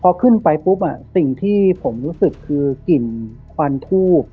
พอขึ้นไปปุ๊บสิ่งที่ผมรู้สึกคือกลิ่นควันทูบ